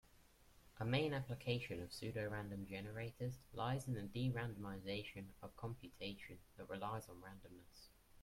A main application of pseudorandom generators lies in the de-randomization of computation that relies on randomness.